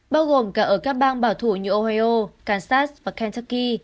bao gồm cả ở các bang bảo thủ như ohio kassad và kentucky